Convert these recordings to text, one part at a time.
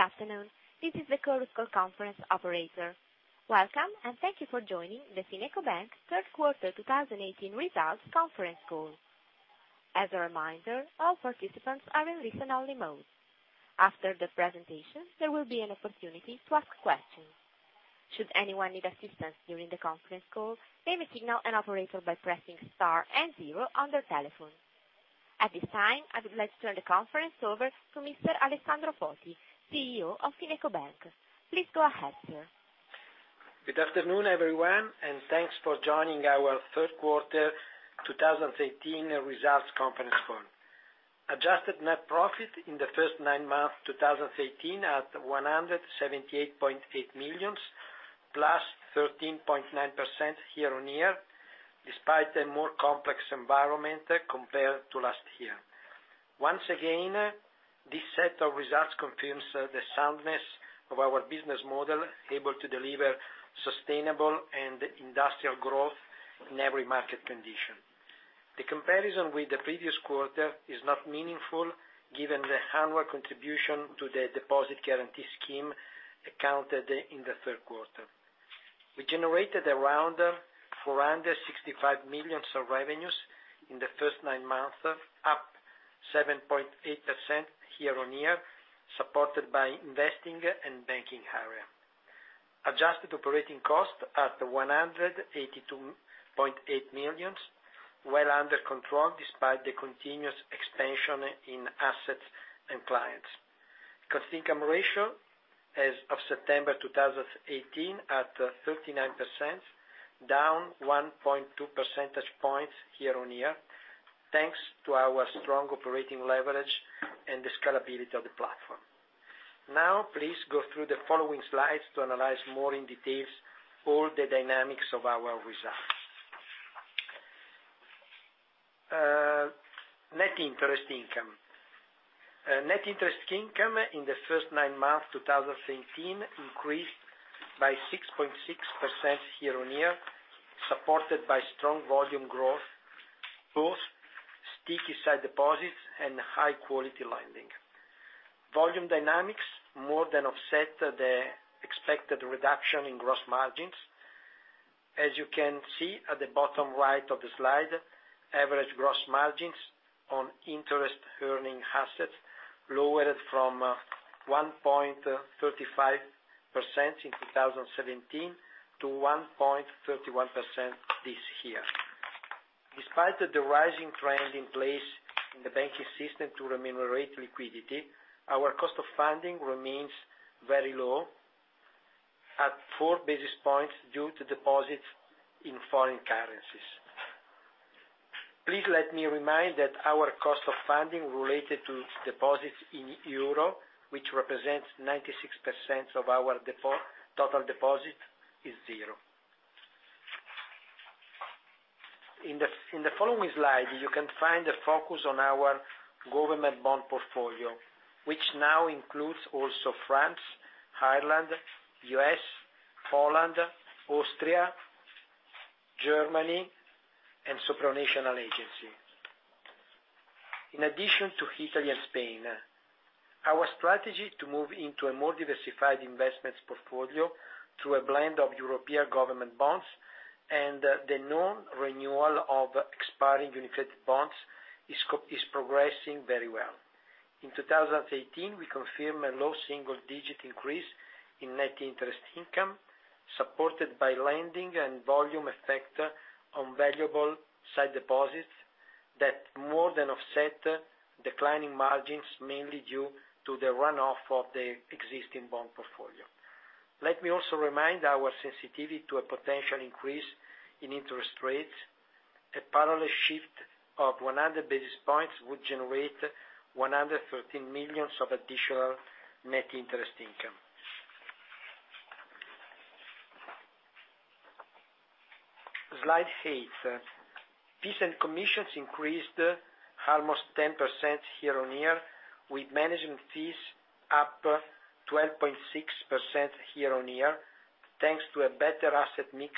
Good afternoon. This is the Chorus Call conference operator. Welcome, and thank you for joining the FinecoBank third quarter 2018 results conference call. As a reminder, all participants are in listen-only mode. After the presentation, there will be an opportunity to ask questions. Should anyone need assistance during the conference call, they may signal an operator by pressing Star and zero on their telephone. At this time, I would like to turn the conference over to Mr. Alessandro Foti, CEO of FinecoBank. Please go ahead, sir. Good afternoon, everyone, and thanks for joining our third quarter 2018 results conference call. Adjusted net profit in the first nine months 2018 at 178.8 million, plus 13.9% year-on-year, despite a more complex environment compared to last year. Once again, this set of results confirms the soundness of our business model, able to deliver sustainable and industrial growth in every market condition. The comparison with the previous quarter is not meaningful given the onward contribution to the deposit guarantee scheme accounted in the third quarter. We generated around 465 million of revenues in the first nine months, up 7.8% year-on-year, supported by investing and banking area. Adjusted operating cost at 182.8 million, well under control despite the continuous expansion in assets and clients. Cost-income ratio as of September 2018 at 39%, down 1.2 percentage points year-on-year, thanks to our strong operating leverage and the scalability of the platform. Now, please go through the following slides to analyze more in details all the dynamics of our results. Net interest income. Net interest income in the first nine months 2018 increased by 6.6% year-on-year, supported by strong volume growth, both sticky sight deposits and high quality lending. Volume dynamics more than offset the expected reduction in gross margins. As you can see at the bottom right of the slide, average gross margins on interest-earning assets lowered from 1.35% in 2017 to 1.31% this year. Despite the rising trend in place in the banking system to remunerate liquidity, our cost of funding remains very low at four basis points due to deposits in foreign currencies. Please let me remind that our cost of funding related to deposits in euro, which represents 96% of our total deposit, is zero. In the following slide, you can find a focus on our government bond portfolio, which now includes also France, Ireland, U.S., Poland, Austria, Germany, and supranational agency. In addition to Italy and Spain, our strategy to move into a more diversified investments portfolio through a blend of European government bonds and the non-renewal of expiring inflation-linked bonds is progressing very well. In 2018, we confirm a low single-digit increase in net interest income, supported by lending and volume effect on valuable sight deposits that more than offset declining margins, mainly due to the run-off of the existing bond portfolio. Let me also remind our sensitivity to a potential increase in interest rates. A parallel shift of 100 basis points would generate 113 million of additional net interest income. Slide eight. Fees and commissions increased almost 10% year-on-year, with management fees up 12.6% year-on-year, thanks to a better asset mix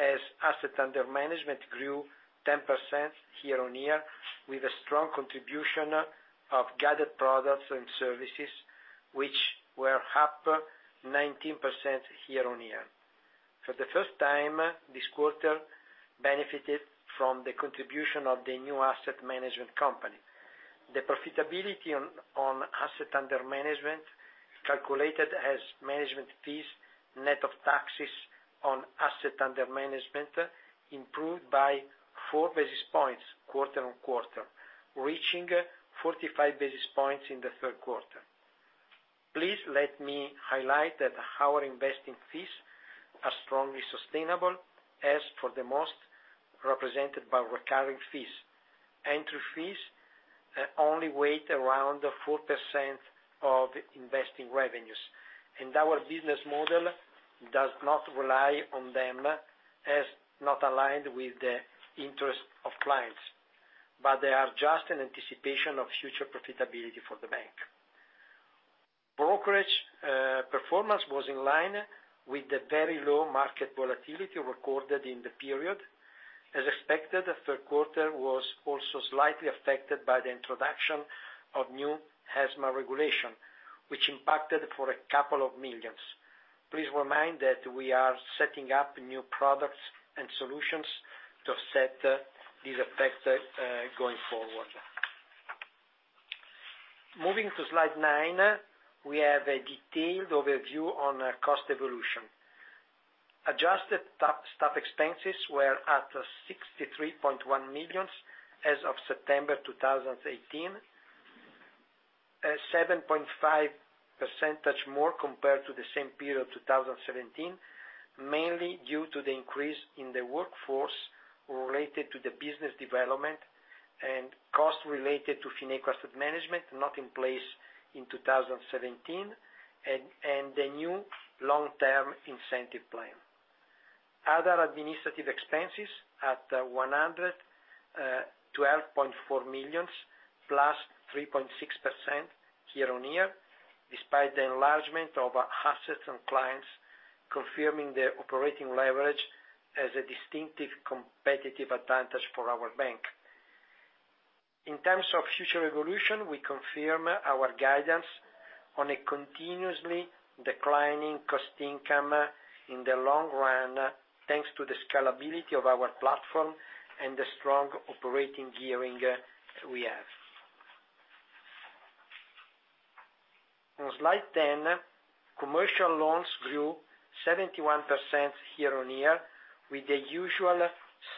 as assets under management grew 10% year-on-year with a strong contribution of gathered products and services, which were up 19% year-on-year. For the first time, this quarter benefited from the contribution of the new asset management company. The profitability on assets under management, calculated as management fees net of taxes on assets under management, improved by four basis points quarter-on-quarter, reaching 45 basis points in the third quarter. Please let me highlight that our investing fees are strongly sustainable as for the most represented by recurring fees. Entry fees only weight around 4% of investing revenues. Our business model does not rely on them as not aligned with the interest of clients. They are just an anticipation of future profitability for the bank. Brokerage performance was in line with the very low market volatility recorded in the period. As expected, the third quarter was also slightly affected by the introduction of new ESMA regulation, which impacted for a couple of million. Please remind that we are setting up new products and solutions to offset these effects going forward. Moving to slide nine, we have a detailed overview on our cost evolution. Adjusted staff expenses were at 63.1 million as of September 2018. 7.5% more compared to the same period 2017, mainly due to the increase in the workforce related to the business development and cost related to Fineco Asset Management not in place in 2017, and the new long-term incentive plan. Other administrative expenses at 112.4 million, plus 3.6% year-on-year, despite the enlargement of assets and clients, confirming the operating leverage as a distinctive competitive advantage for our bank. In terms of future evolution, we confirm our guidance on a continuously declining cost-income in the long run, thanks to the scalability of our platform and the strong operating gearing that we have. On slide 10, commercial loans grew 71% year-on-year with the usual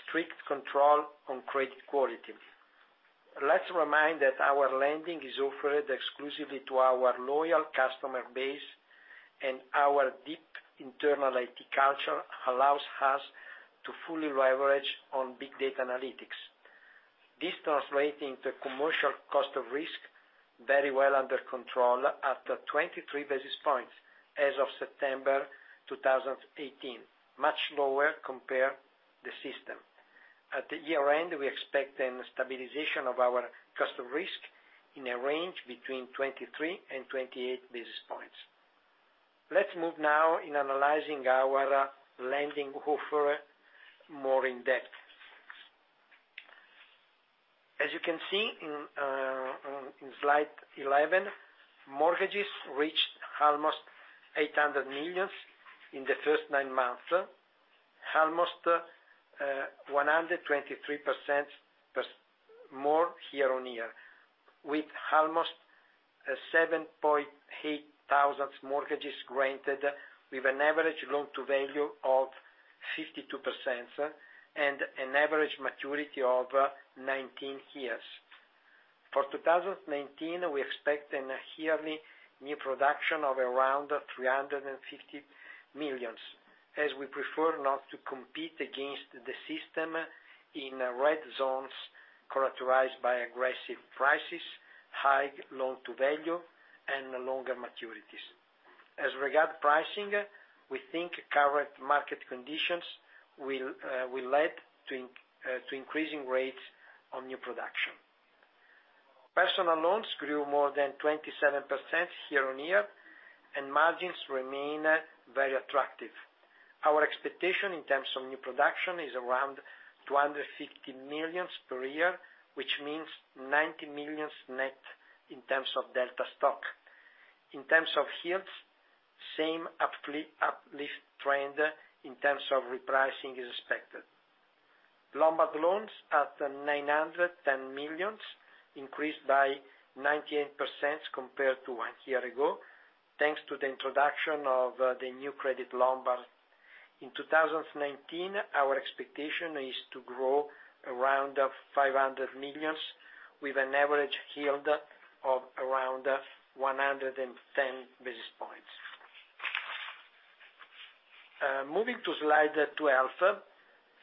strict control on credit quality. Let's remind that our lending is offered exclusively to our loyal customer base. Our deep internal IT culture allows us to fully leverage on big data analytics. This translating to commercial cost of risk very well under control at 23 basis points as of September 2018, much lower compare the system. At the year-end, we expect then stabilization of our cost of risk in a range between 23 and 28 basis points. Let's move now in analyzing our lending offer more in depth. As you can see in slide 11, mortgages reached almost 800 million in the first nine months. Almost 123% plus more year-on-year, with almost 7,800 mortgages granted with an average loan-to-value of 52% and an average maturity of 19 years. For 2019, we expect an yearly new production of around 350 million, as we prefer not to compete against the system in red zones characterized by aggressive prices, high loan-to-value, and longer maturities. As regard pricing, we think current market conditions will lead to increasing rates on new production. Personal loans grew more than 27% year-on-year. Margins remain very attractive. Our expectation in terms of new production is around 250 million per year, which means 90 million net in terms of delta stock. In terms of yields, same uplift trend in terms of repricing is expected. Lombard loans at 910 million increased by 98% compared to one year ago, thanks to the introduction of the new Lombard credit. In 2019, our expectation is to grow around 500 million with an average yield of around 110 basis points. Moving to slide 12,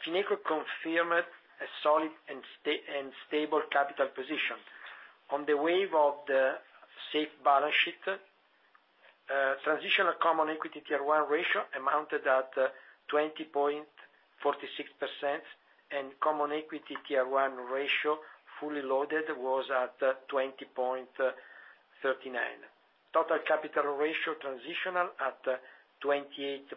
Fineco confirmed a solid and stable capital position. On the wave of the safe balance sheet, transitional Common Equity Tier 1 ratio amounted at 20.46%, and Common Equity Tier 1 ratio fully loaded was at 20.39%. Total capital ratio transitional at 28.88%,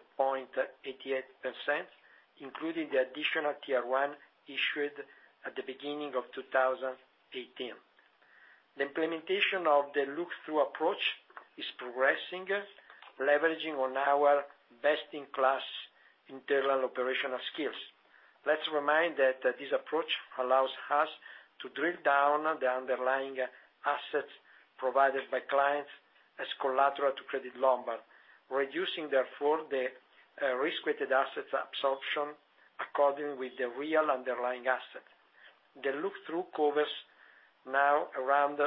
including the Additional Tier 1 issued at the beginning of 2018. The implementation of the look-through approach is progressing, leveraging on our best-in-class internal operational skills. Let's remind that this approach allows us to drill down the underlying assets provided by clients as collateral to Lombard credit, reducing therefore, the risk-weighted assets absorption according with the real underlying asset. The look-through covers now around 67%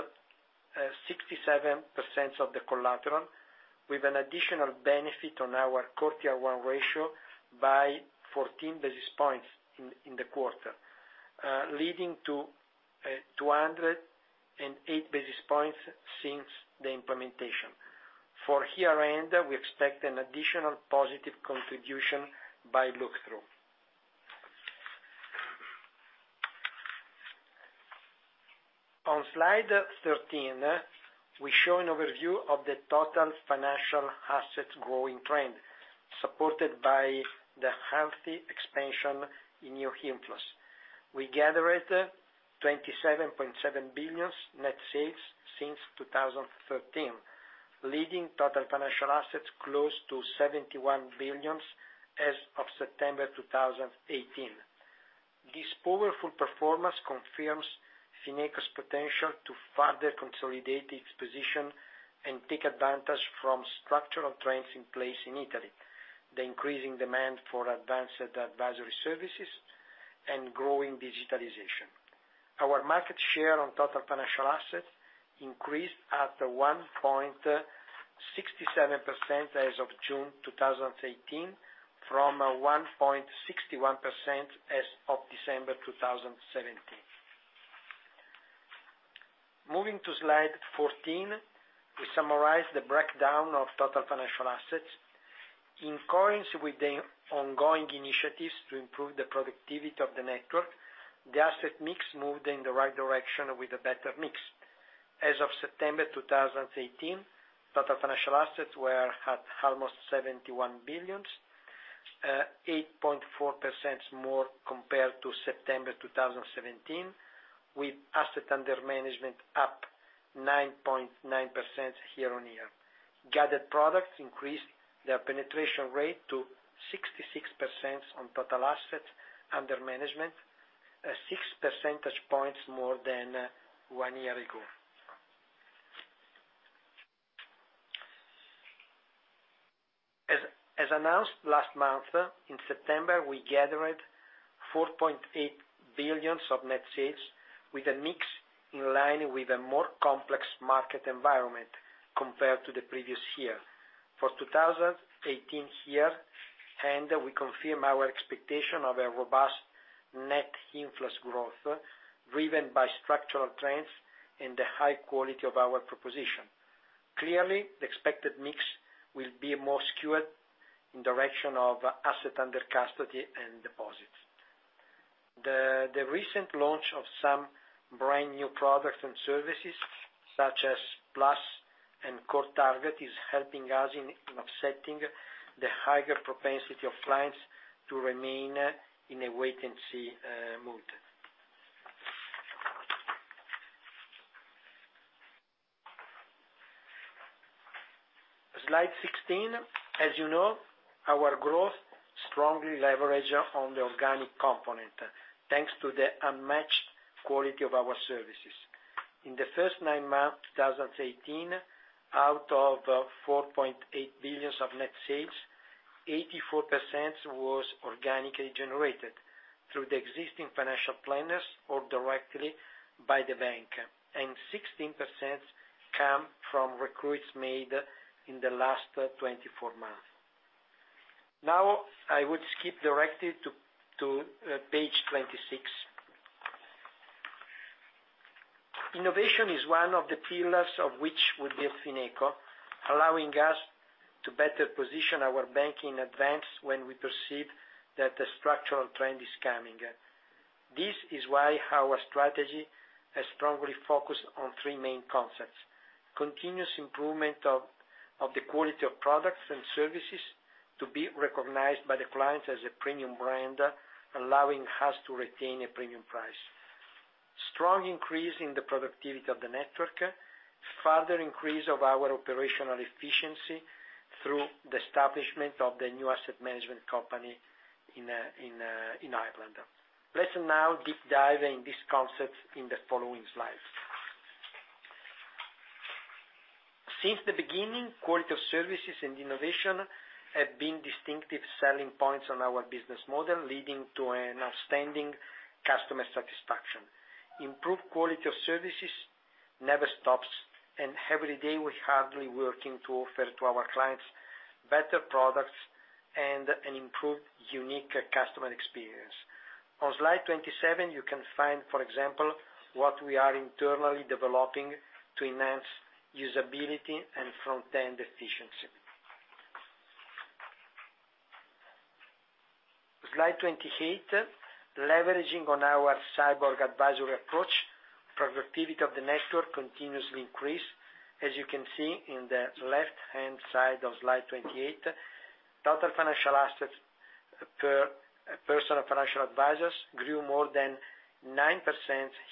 of the collateral, with an additional benefit on our Core Tier 1 ratio by 14 basis points in the quarter, leading to 208 basis points since the implementation. For year-end, we expect an additional positive contribution by look-through. On slide 13, we show an overview of the total financial assets growing trend, supported by the healthy expansion in new inflows. We generated 27.7 billion net sales since 2013, leading total financial assets close to 71 billion as of September 2018. This powerful performance confirms Fineco's potential to further consolidate its position and take advantage from structural trends in place in Italy, the increasing demand for advanced advisory services, and growing digitalization. Our market share on total financial assets increased at 1.67% as of June 2018 from 1.61% as of December 2017. Moving to slide 14, we summarize the breakdown of total financial assets. In accordance with the ongoing initiatives to improve the productivity of the network, the asset mix moved in the right direction with a better mix. As of September 2018, total financial assets were at almost 71 billion, 8.4% more compared to September 2017, with assets under management up 9.9% year-on-year. Gathered products increased their penetration rate to 66% on total assets under management, six percentage points more than one year ago. As announced last month, in September we gathered 4.8 billion of net sales with a mix in line with a more complex market environment compared to the previous year. For 2018 year-end, we confirm our expectation of a robust net inflows growth driven by structural trends and the high quality of our proposition. Clearly, the expected mix will be more skewed in direction of assets under custody and deposits. The recent launch of some brand-new products and services, such as Plus and CoRe Target, is helping us in offsetting the higher propensity of clients to remain in a wait-and-see mood. Slide 16. As you know, our growth strongly leveraged on the organic component, thanks to the unmatched quality of our services. In the first nine months of 2018, out of 4.8 billion of net sales, 84% was organically generated through the existing financial planners or directly by the bank, and 16% came from recruits made in the last 24 months. Now I would skip directly to Page 26. Innovation is one of the pillars of which would give Fineco, allowing us to better position our bank in advance when we perceive that a structural trend is coming. This is why our strategy has strongly focused on three main concepts. Continuous improvement of the quality of products and services to be recognized by the clients as a premium brand, allowing us to retain a premium price. Strong increase in the productivity of the network. Further increase of our operational efficiency through the establishment of the new asset management company in Ireland. Let's now deep dive in these concepts in the following slides. Since the beginning, quality of services and innovation have been distinctive selling points on our business model, leading to an outstanding customer satisfaction. Improved quality of services never stops, and every day we're hardly working to offer to our clients better products and an improved unique customer experience. On slide 27, you can find, for example, what we are internally developing to enhance usability and front-end efficiency. Slide 28. Leveraging on our cyborg advisory approach, productivity of the network continuously increased. As you can see in the left-hand side of slide 28, total financial assets per personal financial advisors grew more than 9%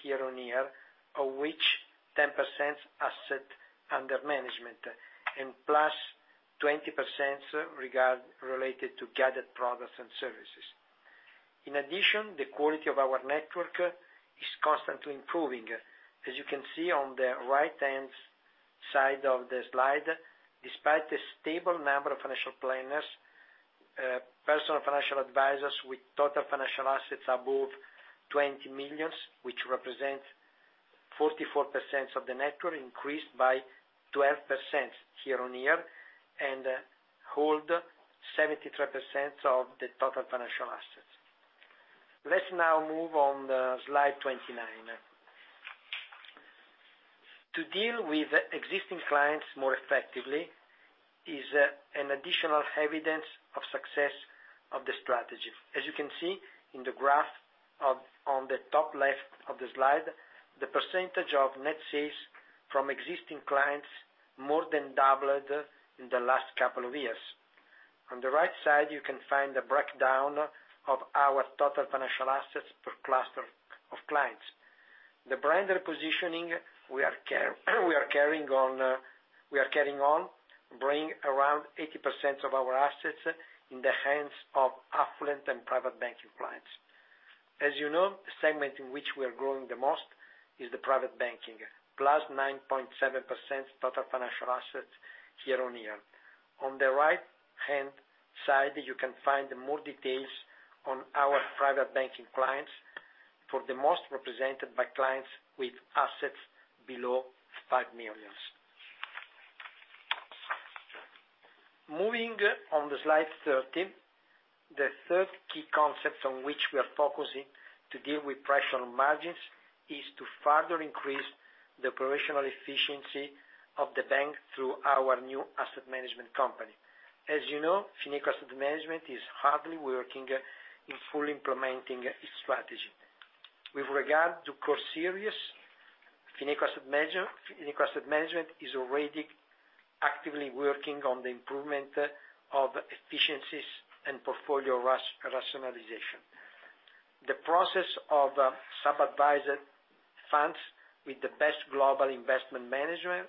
year-on-year, of which 10% assets under management, and +20% related to gathered products and services. In addition, the quality of our network is constantly improving. As you can see on the right-hand side of the slide, despite the stable number of financial planners, personal financial advisors with total financial assets above 20 million, which represent 44% of the network, increased by 12% year-on-year and hold 73% of the total financial assets. Let's now move on to slide 29. To deal with existing clients more effectively is an additional evidence of success of the strategy. As you can see in the graph on the top left of the slide, the percentage of net sales from existing clients more than doubled in the last couple of years. On the right side, you can find a breakdown of our total financial assets per cluster of clients. The brand repositioning we are carrying on, brings around 80% of our assets in the hands of affluent and private banking clients. As you know, the segment in which we are growing the most is the private banking, +9.7% total financial assets year-on-year. On the right-hand side, you can find more details on our private banking clients, for the most represented by clients with assets below 5 million. Moving on to slide 13, the third key concept on which we are focusing to deal with pressure on margins is to further increase the operational efficiency of the bank through our new asset management company. As you know, Fineco Asset Management is hardly working in fully implementing its strategy. With regard to CORE Series, Fineco Asset Management is already actively working on the improvement of efficiencies and portfolio rationalization. The process of sub-advised funds with the best global investment managers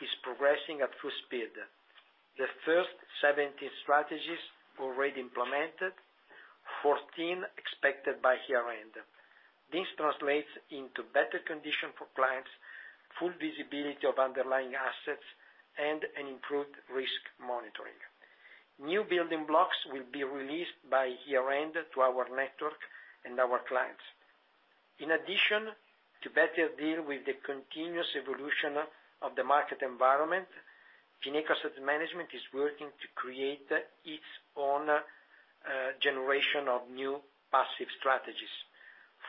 is progressing at full speed. The first 17 strategies were already implemented, 14 expected by year-end. This translates into better conditions for clients, full visibility of underlying assets, and an improved risk monitoring. New building blocks will be released by year-end to our network and our clients. In addition, to better deal with the continuous evolution of the market environment, Fineco Asset Management is working to create its own generation of new passive strategies,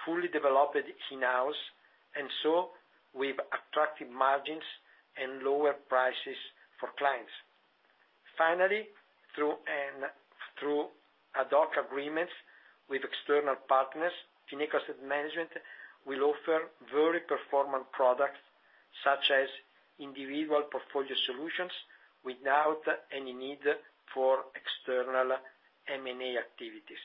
fully developed in-house, and so with attractive margins and lower prices for clients. Finally, through ad hoc agreements with external partners, Fineco Asset Management will offer very performant products such as individual portfolio solutions without any need for external M&A activities.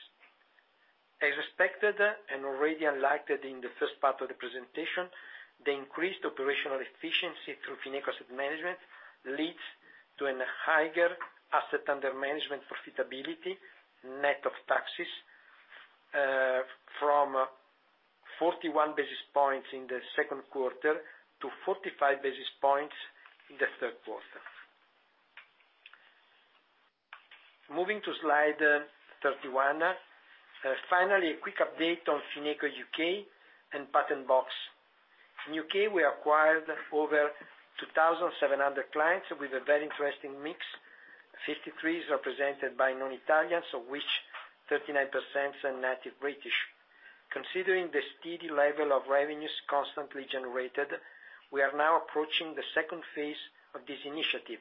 As expected and already highlighted in the first part of the presentation, the increased operational efficiency through Fineco Asset Management leads to an higher assets under management profitability net of taxes from 41 basis points in the second quarter to 45 basis points in the third quarter. Moving to slide 31. Finally, a quick update on Fineco UK and Patent Box. In U.K., we acquired over 2,700 clients with a very interesting mix. 53 is represented by non-Italians, of which 39% are native British. Considering the steady level of revenues constantly generated, we are now approaching the second phase of this initiative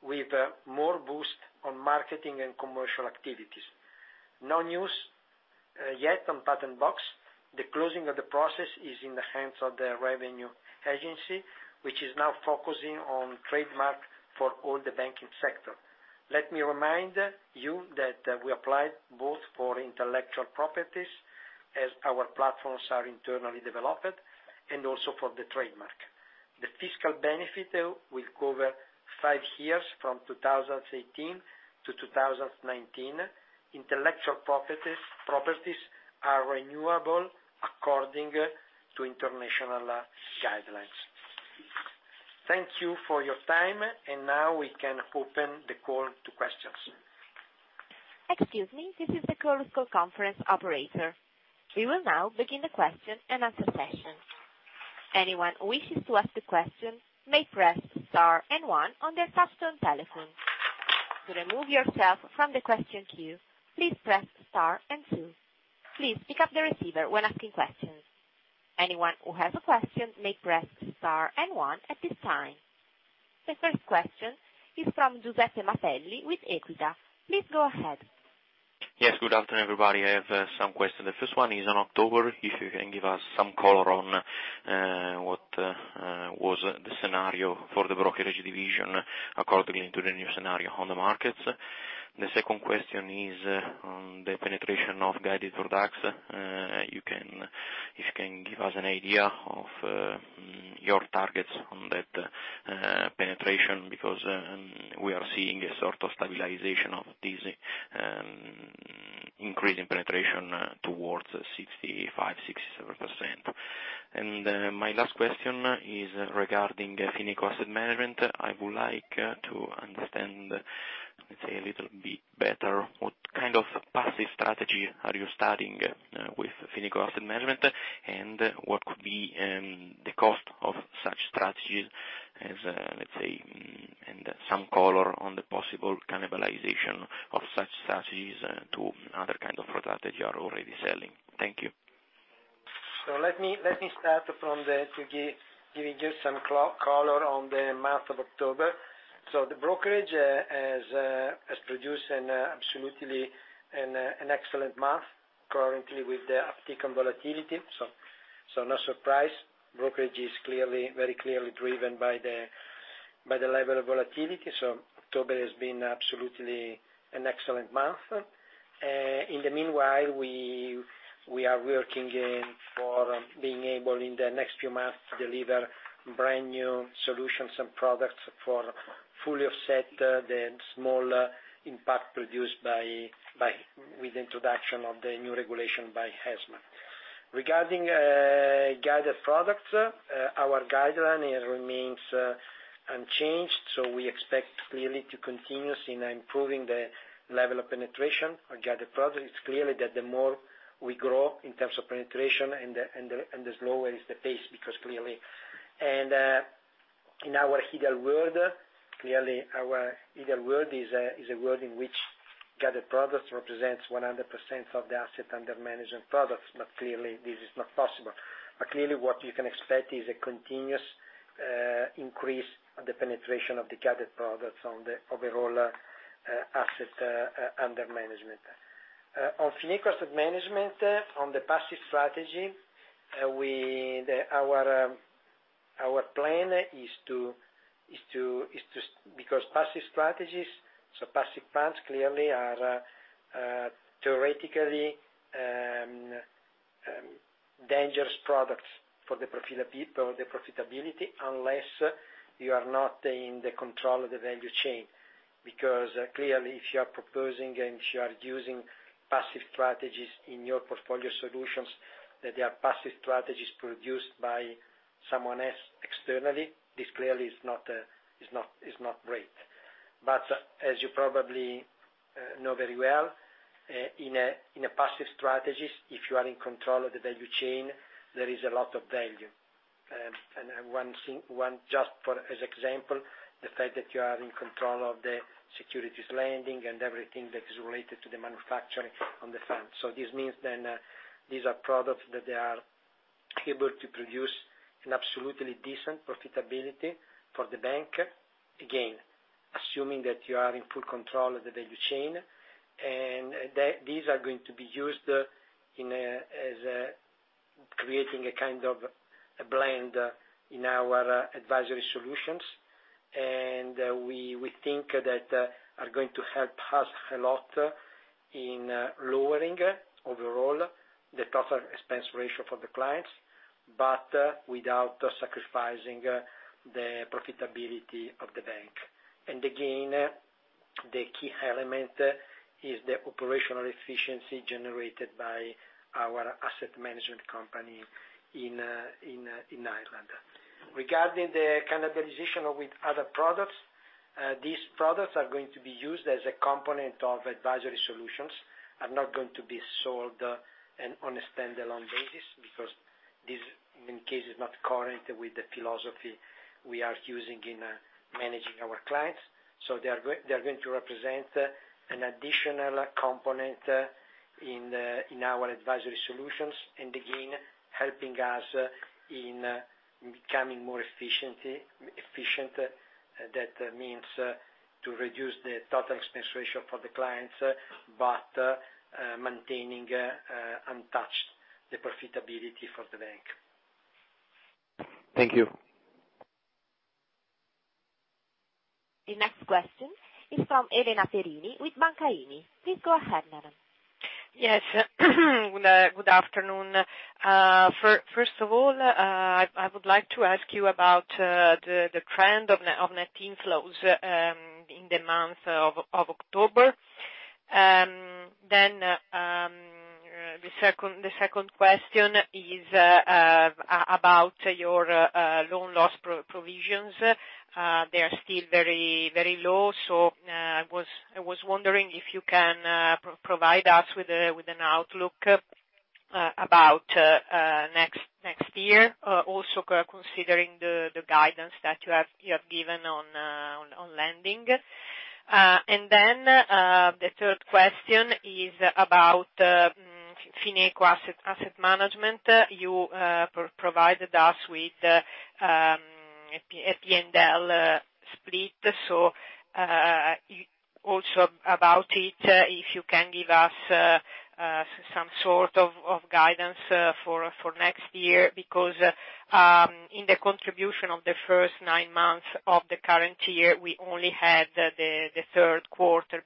with more boost on marketing and commercial activities. No news yet on Patent Box. The closing of the process is in the hands of the revenue agency, which is now focusing on trademark for all the banking sector. Let me remind you that we applied both for intellectual properties as our platforms are internally developed, and also for the trademark. The fiscal benefit will cover 5 years from 2018 to 2019. Intellectual properties are renewable according to international guidelines. Thank you for your time, and now we can open the call to questions. Excuse me. This is the Chorus Call conference operator. We will now begin the question-and-answer session. Anyone who wishes to ask a question may press Star and One on their touch-tone telephone. To remove yourself from the question queue, please press Star and Two. Please pick up the receiver when asking questions. Anyone who has a question may press Star and One at this time. The first question is from Giuseppe Mapelli with Equita. Please go ahead. Yes. Good afternoon, everybody. I have some questions. The first one is on October, if you can give us some color on what was the scenario for the brokerage division accordingly into the new scenario on the markets. The second question is on the penetration of gathered products. If you can give us an idea of your targets on that penetration, because we are seeing a sort of stabilization of this increase in penetration towards 65%-67%. My last question is regarding Fineco Asset Management. I would like to understand, let's say. Some color on the possible cannibalization of such strategies to other kind of product that you are already selling. Thank you. Let me start from giving you some color on the month of October. The brokerage has produced an absolutely excellent month, currently with the uptick in volatility. No surprise. Brokerage is very clearly driven by the level of volatility. October has been absolutely an excellent month. In the meanwhile, we are working for being able, in the next few months, to deliver brand-new solutions and products for fully offset the small impact produced with introduction of the new regulation by ESMA. Regarding gathered products, our guideline remains unchanged. We expect clearly to continue seeing improving the level of penetration of gathered products. It's clearly that the more we grow in terms of penetration and the slower is the pace, because clearly. In our ideal world, clearly our ideal world is a world in which gathered products represents 100% of the assets under management products. Clearly this is not possible. Clearly what you can expect is a continuous increase of the penetration of the gathered products on the overall assets under management. On Fineco Asset Management, on the passive strategy, our plan is to. Because passive strategies, so passive plans clearly are theoretically dangerous products for the profitability, unless you are not in the control of the value chain. Because clearly, if you are proposing and if you are using passive strategies in your portfolio solutions, that they are passive strategies produced by someone else externally, this clearly is not great. As you probably know very well, in a passive strategies, if you are in control of the value chain, there is a lot of value. One, just as example, the fact that you are in control of the securities lending and everything that is related to the manufacturing on the fund. This means then these are products that they are able to produce an absolutely decent profitability for the bank. Again, assuming that you are in full control of the value chain, and these are going to be used as creating a kind of a blend in our advisory solutions. We think that are going to help us a lot in lowering overall the total expense ratio for the clients, but without sacrificing the profitability of the bank. Again, the key element is the operational efficiency generated by our asset management company in Ireland. Regarding the cannibalization with other products, these products are going to be used as a component of advisory solutions, are not going to be sold on a standalone basis because this in case is not current with the philosophy we are using in managing our clients. They're going to represent an additional component in our advisory solutions and again, helping us in becoming more efficient. That means to reduce the total expense ratio for the clients, but maintaining untouched the profitability for the bank. Thank you. The next question is from Elena Biffi with Banca IMI. Please go ahead, Elena. Yes. Good afternoon. First of all, I would like to ask you about the trend of net inflows in the month of October. The second question is about your loan loss provisions. They are still very low, so I was wondering if you can provide us with an outlook about next year, also considering the guidance that you have given on lending. The third question is about Fineco Asset Management. You provided us with a P&L split. Also about it, if you can give us some sort of guidance for next year, because, in the contribution of the first nine months of the current year, we only had the third quarter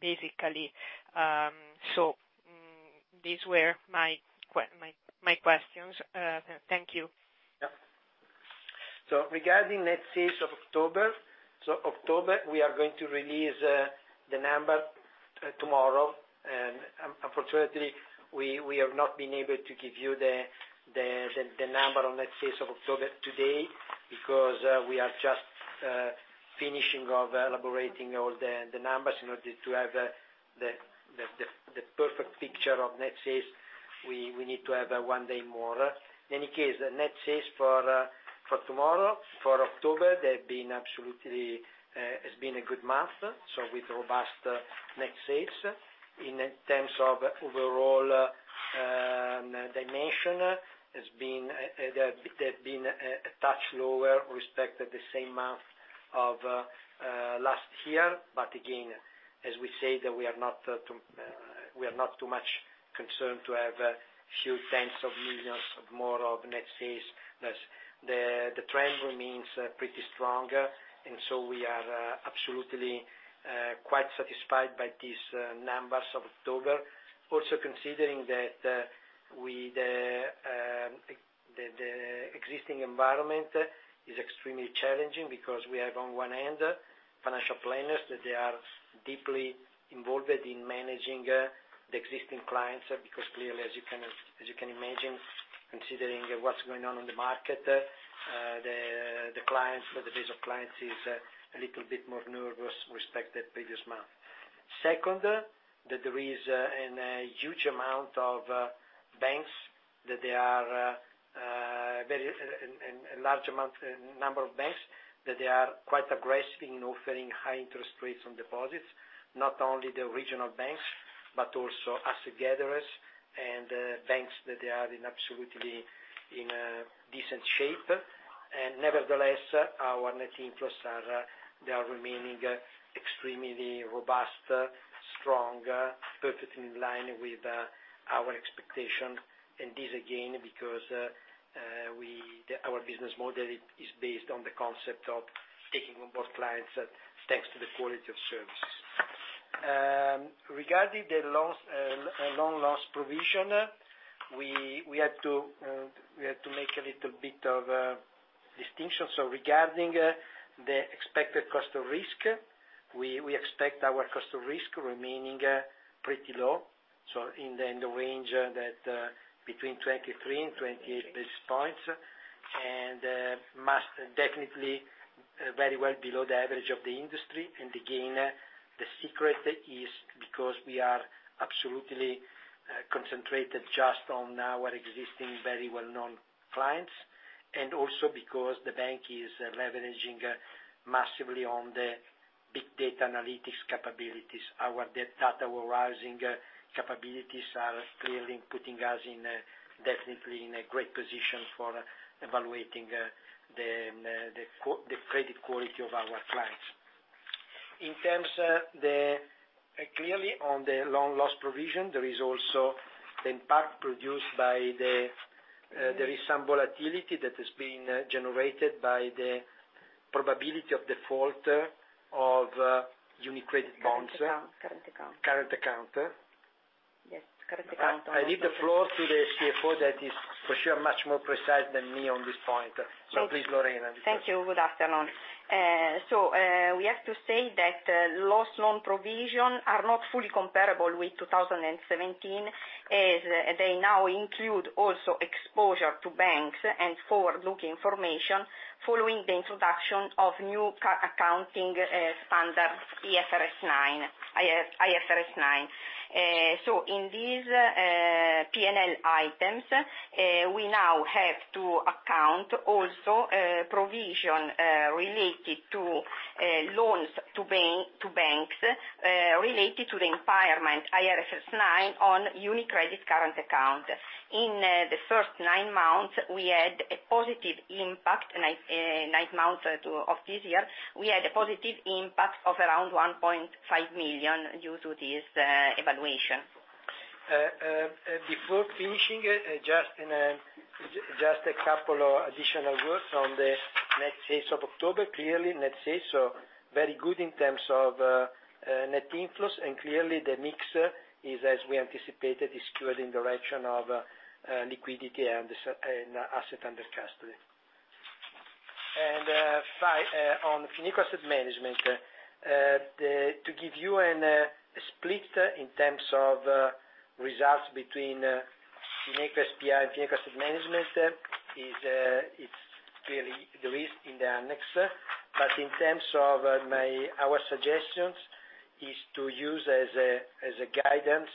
basically. These were my questions. Thank you. Regarding net sales of October, so October, we are going to release the number tomorrow. Unfortunately, we have not been able to give you the number on net sales of October today because we are just finishing off elaborating all the numbers in order to have the perfect picture of net sales. We need to have one day more. In any case, the net sales for tomorrow, for October, it's been a good month, so with robust net sales. In terms of overall dimension, it's been a touch lower respect at the same month of last year. Again, as we say, that we are not too much concerned to have a few tens of millions of more of net sales. The trend remains pretty strong, We are absolutely quite satisfied by these numbers of October. Considering that the existing environment is extremely challenging because we are, on one end, financial planners that are deeply involved in managing the existing clients, because clearly, as you can imagine, considering what's going on in the market, the base of clients is a little bit more nervous than previous month. There is a large amount and number of banks that are quite aggressive in offering high interest rates on deposits. Not only the regional banks, but also asset gatherers and banks that are in absolutely decent shape. Nevertheless, our net inflows are remaining extremely robust, strong, perfectly in line with our expectation. This, again, because our business model is based on the concept of taking on board clients thanks to the quality of services. Regarding the loan loss provision, we had to make a little bit of a distinction. Regarding the expected cost of risk, we expect our cost of risk remaining pretty low, in the range between 23 and 28 basis points, and definitely very well below the average of the industry. Again, the secret is because we are absolutely concentrated just on our existing very well-known clients, and also because the bank is leveraging massively on the big data analytics capabilities. Our data warehousing capabilities are clearly putting us definitely in a great position for evaluating the credit quality of our clients. Clearly, on the loan loss provision, there is also the impact produced by some volatility that has been generated by the probability of default of UniCredit bonds. Current account. Current account. Yes, current account. I leave the floor to the CFO that is, for sure, much more precise than me on this point. Please, Lorena. Thank you. Good afternoon. We have to say that loss loan provision are not fully comparable with 2017, as they now include also exposure to banks and forward-looking information following the introduction of new accounting standard, IFRS 9. In these P&L items, we now have to account also provision related to loans to banks, related to the impairment IFRS 9 on UniCredit current account. In the first nine months of this year, we had a positive impact of around 1.5 million due to this evaluation. Before finishing, just a couple of additional words on the net sales of October. Clearly, net sales are very good in terms of net inflows, and clearly the mix is as we anticipated, is skewed in the direction of liquidity and assets under custody. On Fineco Asset Management, to give you a split in terms of results between FinecoBank S.p.A. and Fineco Asset Management, it's clearly there is in the annex. In terms of our suggestions, is to use as a guidance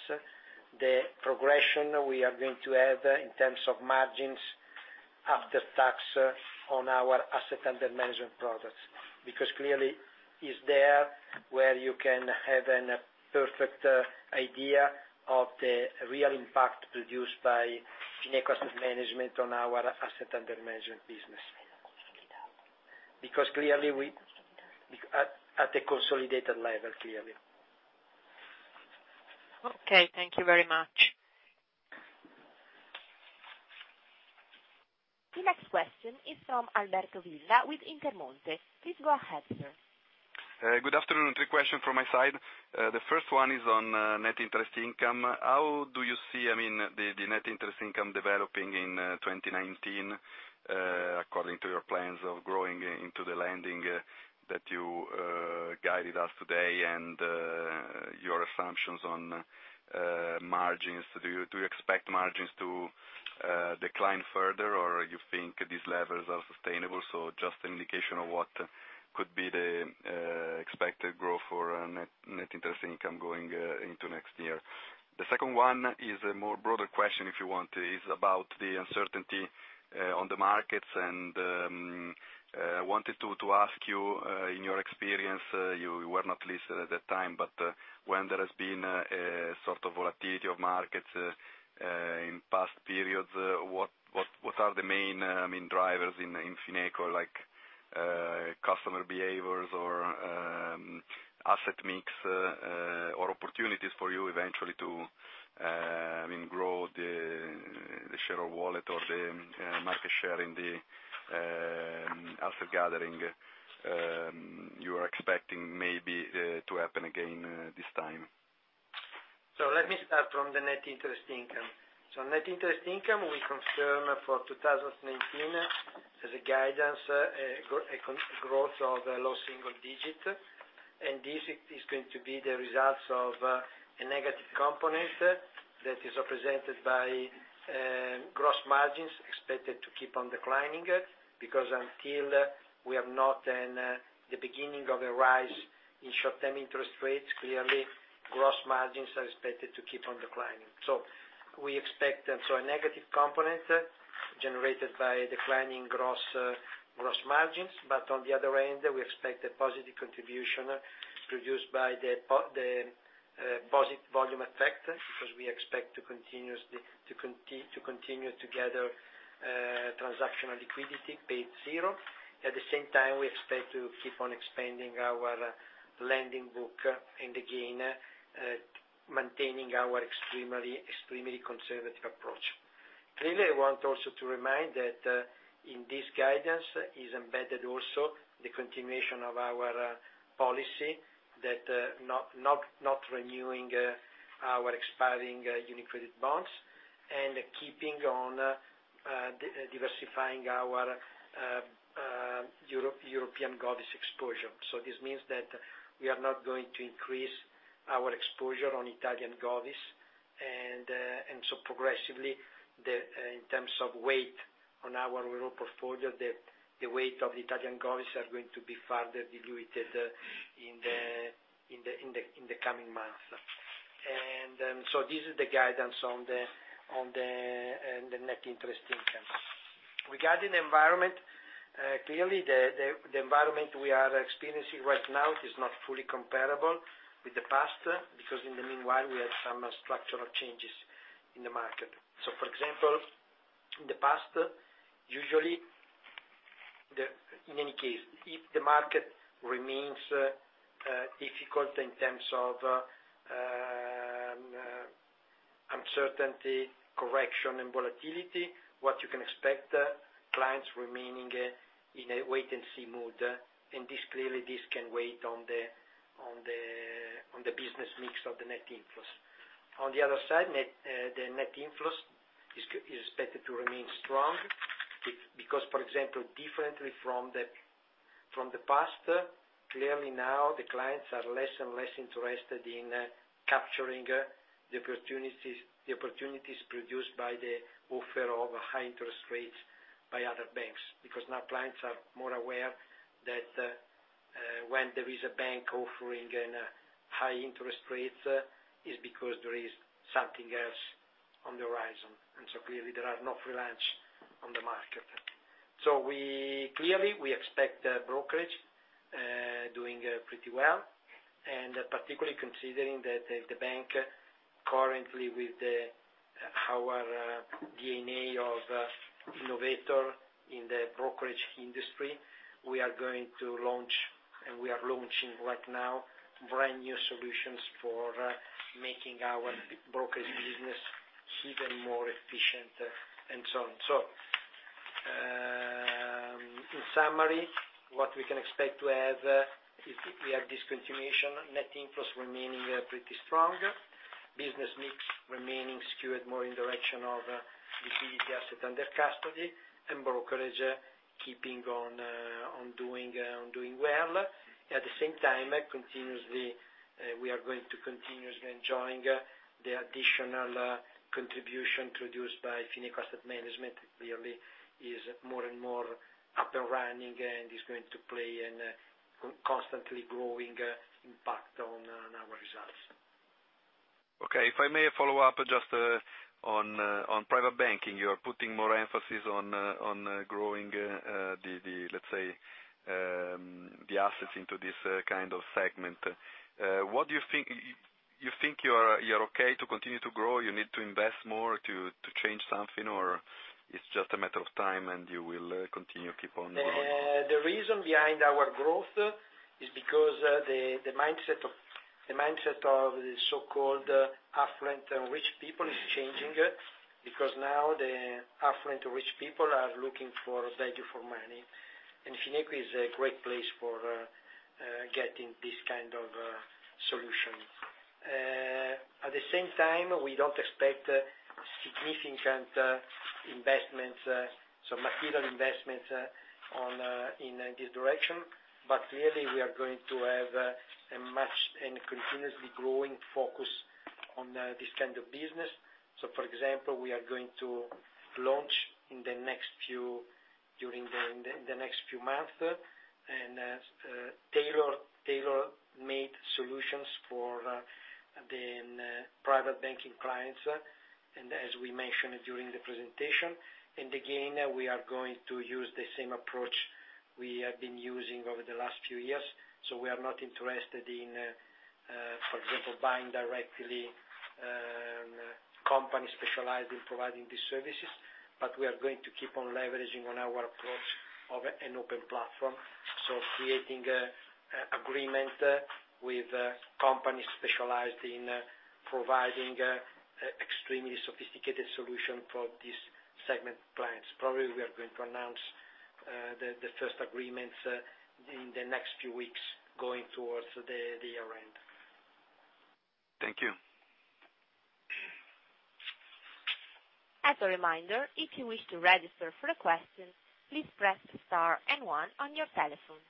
the progression we are going to have in terms of margins after tax on our assets under management products. Clearly, it's there where you can have a perfect idea of the real impact produced by Fineco Asset Management on our assets under management business. At a consolidated level, clearly. Okay, thank you very much. The next question is from Alberto Villa with Intermonte. Please go ahead, sir. Good afternoon. Three questions from my side. The first one is on net interest income. How do you see the net interest income developing in 2019, according to your plans of growing into the lending that you guided us today and your assumptions on margins? Do you expect margins to decline further, or you think these levels are sustainable? Just an indication of what could be the expected growth for net interest income going into next year. The second one is a broader question, if you want. It is about the uncertainty on the markets. I wanted to ask you, in your experience, you were not listed at that time, but when there has been a sort of volatility of markets in past periods, what are the main drivers in Fineco, like customer behaviors or asset mix, or opportunities for you eventually to grow the share of wallet or the market share in the asset gathering you are expecting maybe to happen again this time? Let me start from the net interest income. Net interest income, we confirm for 2019 as a guidance, a growth of low single digit. This is going to be the results of a negative component that is represented by gross margins expected to keep on declining, because until we have not then the beginning of a rise in short-term interest rates, clearly gross margins are expected to keep on declining. A negative component generated by declining gross margins, on the other end, we expect a positive contribution produced by the positive volume effect, because we expect to continue to gather transactional liquidity paid zero. At the same time, we expect to keep on expanding our lending book, again, maintaining our extremely conservative approach. I want also to remind that in this guidance is embedded also the continuation of our policy not renewing our expiring UniCredit bonds, keeping on diversifying our European govies exposure. This means that we are not going to increase our exposure on Italian govies. Progressively, in terms of weight on our overall portfolio, the weight of the Italian govies are going to be further diluted in the coming months. This is the guidance on the net interest income. Regarding the environment, the environment we are experiencing right now is not fully comparable with the past, because in the meanwhile, we had some structural changes in the market. For example, in the past, usually, in any case, if the market remains difficult in terms of uncertainty, correction, and volatility, what you can expect, clients remaining in a wait-and-see mode. This can weigh on the business mix of the net inflows. On the other side, the net inflows is expected to remain strong because, for example, differently from the past, now the clients are less and less interested in capturing the opportunities produced by the offer of high interest rates by other banks. Because now clients are more aware that when there is a bank offering high interest rates, it's because there is something else on the horizon. There are no free lunch on the market. We expect brokerage doing pretty well, particularly considering that the bank currently with our DNA of innovator in the brokerage industry, we are launching right now, brand new solutions for making our brokerage business even more efficient and so on. In summary, what we can expect to have is we have this continuation, net inflows remaining pretty strong, business mix remaining skewed more in direction of liquidity assets under custody, brokerage keeping on doing well. At the same time, we are going to continuously enjoying the additional contribution produced by Fineco Asset Management. Is more and more up and running and is going to play in constantly growing impact on our results. Okay. If I may follow up just on private banking. You are putting more emphasis on growing the, let's say, the assets into this kind of segment. What do you think? You think you're okay to continue to grow? You need to invest more to change something, or it's just a matter of time and you will continue to keep on growing? The reason behind our growth is because the mindset of the so-called affluent and rich people is changing. Now the affluent rich people are looking for value for money, and Fineco is a great place for getting this kind of solution. At the same time, we don't expect significant investments, material investments in this direction. Clearly, we are going to have a continuously growing focus on this kind of business. For example, we are going to launch during the next few months, tailor-made solutions for the private banking clients, as we mentioned during the presentation. Again, we are going to use the same approach we have been using over the last few years. We are not interested in, for example, buying directly companies specialized in providing these services. We are going to keep on leveraging on our approach of an open platform. Creating agreement with companies specialized in providing extremely sophisticated solution for this segment clients. Probably, we are going to announce the first agreements in the next few weeks, going towards the year-end. Thank you. As a reminder, if you wish to register for a question, please press Star and one on your telephone.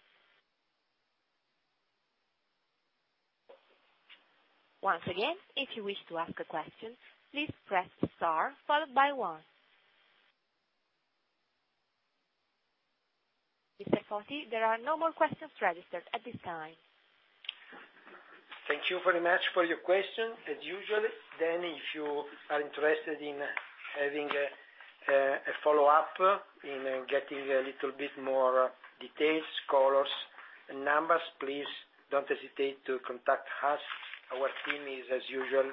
Once again, if you wish to ask a question, please press Star followed by one. Mr. Foti, there are no more questions registered at this time. Thank you very much for your question. As usual, then, if you are interested in having a follow-up in getting a little bit more details, colors, and numbers, please don't hesitate to contact us. Our team is, as usual,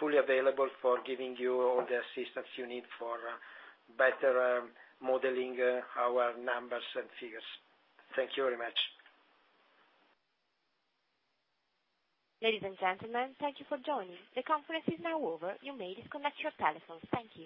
fully available for giving you all the assistance you need for better modeling our numbers and figures. Thank you very much. Ladies and gentlemen, thank you for joining. The conference is now over. You may disconnect your telephones. Thank you.